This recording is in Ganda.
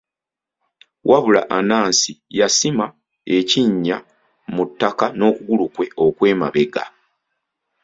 Wabula Anansi, yasima ekinnya mu ttaka n'okugulu kwe okw'emabega.